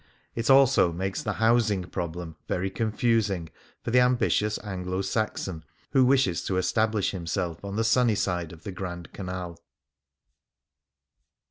It also makes the " housing problem '' very confusing for the ambitious Anglo Saxon who wishes to establish himself on the sunny side of the Grand Canal.